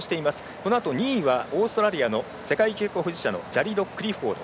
このあと２位はオーストラリアの世界記録保持者のジャリド・クリフォード。